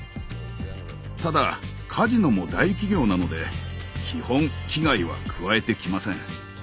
ただカジノも大企業なので基本危害は加えてきません。